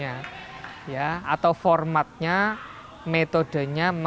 jadi secara substansinya sama tetapi aksesornya sama